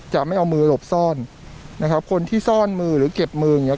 จะไม่เอามือหลบซ่อนนะครับคนที่ซ่อนมือหรือเก็บมืออย่างเงี้